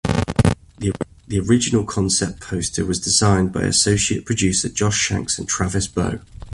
The original concept poster was designed by Associate Producer Josh Shanks and Travis Bow.